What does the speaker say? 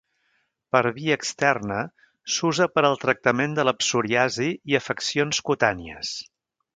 Per via externa s'usa per al tractament de la psoriasi i afeccions cutànies.